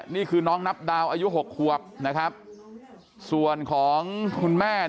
นี่คือน้องนับดาวอายุ๖ขวบนะครับส่วนของคุณแม่